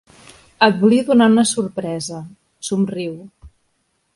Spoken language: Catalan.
Et volia donar una sorpresa —somriu—.